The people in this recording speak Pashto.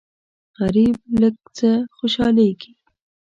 غریب له لږ څه خوشالېږي